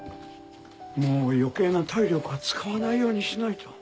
もう余計な体力は使わないようにしないと。